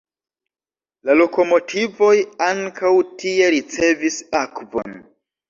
La lokomotivoj ankaŭ tie ricevis akvon.